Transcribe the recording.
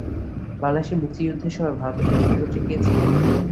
বাংলাদেশের মুক্তিযুদ্ধের সময় ভারতের প্রধানমন্ত্রী কে ছিলেন?